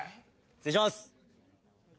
失礼します。